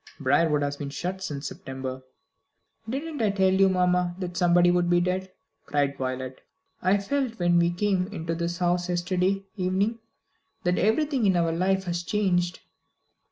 Briarwood has been shut up since September." "Didn't I tell you, mamma, that somebody would be dead," cried Violet. "I felt when we came into this house yesterday evening, that everything in our lives was changed."